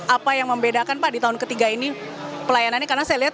apa yang membedakan pak di tahun ketiga ini pelayanannya